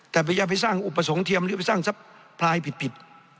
แต่พยายามไปสร้างอุปสรรคเทียมหรือไปสร้างทรัพพลายผิด